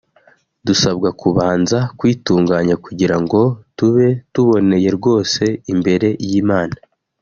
Dusabwa kubanza kwitunganya kugira ngo tube tuboneye rwose imbere y’Imana